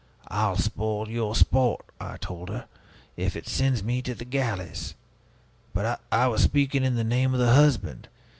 'I'll spoil your sport,' I told her, 'if it sends me to the galleys!' but I was speaking in the name of the husband.